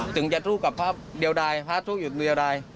ถึงจะสู้กับภาพหลังยนต์ใหญ่